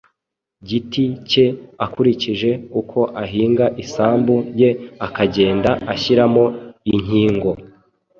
giti ke akurikije uko ahinga isambu ye, akagenda ashyiramo inkingo